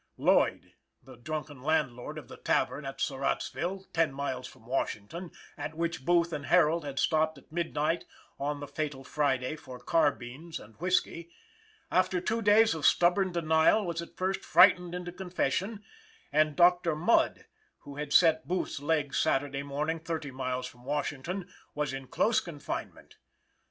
Lloyd the drunken landlord of the tavern at Surrattsville, ten miles from Washington, at which Booth and Herold had stopped at midnight of the fatal Friday for carbines and whisky after two days of stubborn denial was at last frightened into confession; and Doctor Mudd, who had set Booth's leg Saturday morning thirty miles from Washington, was in close confinement.